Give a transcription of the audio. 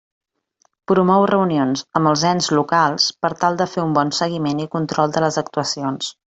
Promou reunions amb els ens locals per tal de fer un bon seguiment i control de les actuacions.